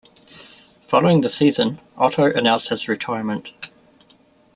Following the season, Otto announced his retirement.